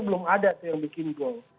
belum ada tuh yang bikin gol